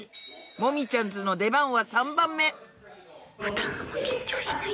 もみちゃん☆ズの出番は３番目